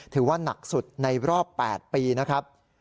ถือว่านักสุดในรอบ๘ปีนะครับ